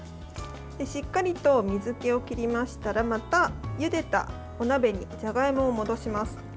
しっかりと水けを切りましたらまた、ゆでたお鍋にじゃがいもを戻します。